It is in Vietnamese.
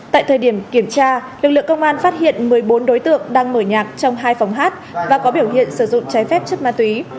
tại thời điểm kiểm tra lực lượng công an phát hiện một mươi bốn đối tượng đang mở nhạc trong hai phòng hát và có biểu hiện sử dụng trái phép chất ma túy